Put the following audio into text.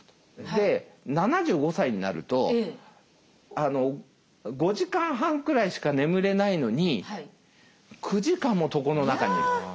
で７５歳になると５時間半くらいしか眠れないのに９時間も床の中にいると。